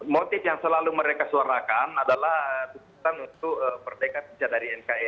motif yang selalu mereka suarakan adalah tujuan untuk berdekat sejak dari nkri